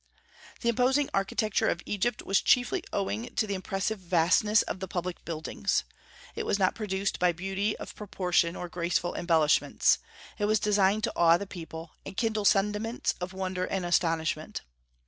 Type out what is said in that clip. The imposing architecture of Egypt was chiefly owing to the impressive vastness of the public buildings. It was not produced by beauty of proportion or graceful embellishments; it was designed to awe the people, and kindle sentiments of wonder and astonishment.